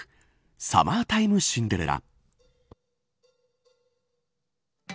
サマータイムシンデレラ。